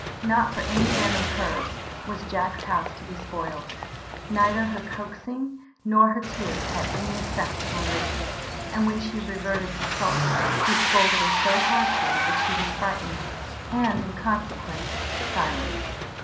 Not for any whim of hers was Jack's house to be spoiled. Neither her coaxing nor her tears had any effect upon Richard, and when she reverted to sulks, he scolded her so harshly that she was frightened, and in consequence silenced.